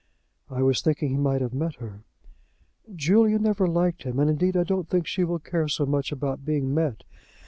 "I was thinking he might have met her." "Julia never liked him. And, indeed, I don't think she will care so much about being met.